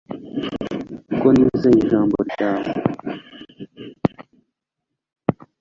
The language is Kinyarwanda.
kuko nizeye ijambo ryawe